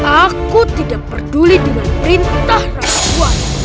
aku tidak peduli dengan perintah ratuan